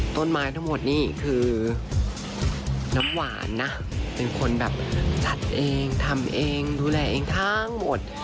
ต้นไม้ทั้งหมดนี่คือน้ำหวานนะเป็นคนแบบจัดเองทำเองดูแลเองทั้งหมด